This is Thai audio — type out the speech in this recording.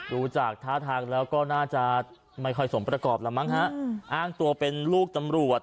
ดูจากท่าทางแล้วก็น่าจะไม่ค่อยสมประกอบแล้วมั้งฮะอ้างตัวเป็นลูกตำรวจ